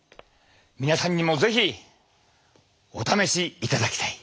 皆さんにも是非お試しいただきたい。